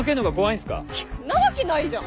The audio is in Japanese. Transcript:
んなわけないじゃん。